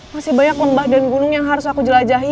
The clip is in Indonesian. masih banyak lembah dan gunung yang harus aku jelajahi